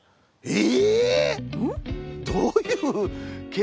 え？